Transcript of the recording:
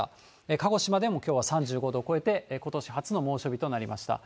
鹿児島でもきょうは３５度超えて、ことし初の猛暑日となりました。